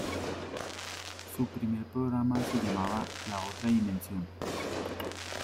Su primer programa se llamaba "La otra dimensión".